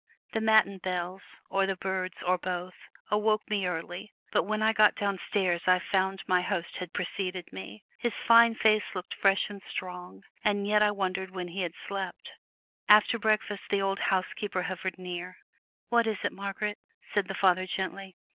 The matin bells, or the birds, or both, awoke me early, but when I got downstairs I found my host had preceded me. His fine face looked fresh and strong, and yet I wondered when he had slept. After breakfast, the old housekeeper hovered near. "What is it, Margaret?" said the Father, gently.